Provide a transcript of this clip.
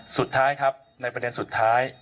สุดท้ายครับในประเด็นสุดท้าย